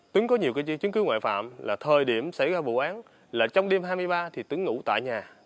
tuấn có nhiều chứng cứ ngoại phạm là thời điểm xảy ra vụ án là trong đêm hai mươi ba thì tướng ngủ tại nhà